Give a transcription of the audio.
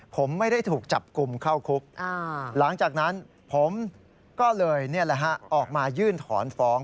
ผมไม่ได้ถูกจับกลุ่มเข้าคุกหลังจากนั้นผมก็เลยออกมายื่นถอนฟ้อง